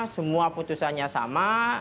semua putusannya sama